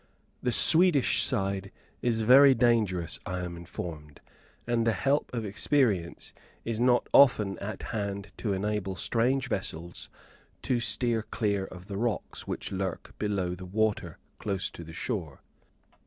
The Swedish side is very dangerous, I am also informed; and the help of experience is not often at hand to enable strange vessels to steer clear of the rocks, which lurk below the water close to the shore.